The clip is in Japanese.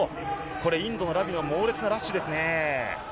これ、インドのラビが猛烈なラッシュですね。